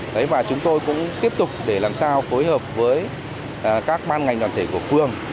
đấy và chúng tôi cũng tiếp tục để làm sao phối hợp với các ban ngành đoàn thể của phường